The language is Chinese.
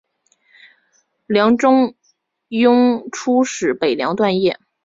梁中庸初仕北凉段业。